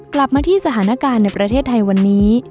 กลับมาที่สถานการณ์ในประเทศไทยวันนี้